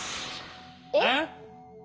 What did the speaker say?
えっ？